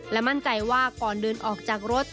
และมั่นใจว่าก่อนเดินออกจากรถ